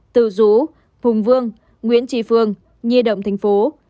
từ dũ phùng vương nguyễn trì phương nhi động tp